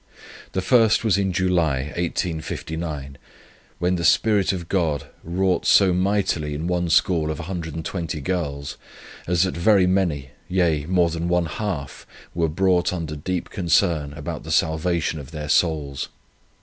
The first was in July, 1859, when the Spirit of God wrought so mightily in one school of 120 girls, as that very many, yea more than one half, were brought under deep concern about the salvation of their souls.